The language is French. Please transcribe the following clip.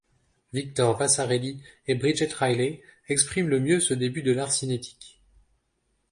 Victor Vasarely et Bridget Riley expriment le mieux ce début de l'art cinétique.